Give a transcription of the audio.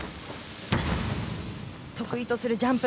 得意とするジャンプ。